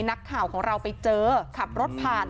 นักข่าวของเราไปเจอขับรถผ่าน